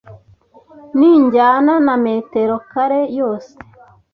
Ninjyana na metero kare yose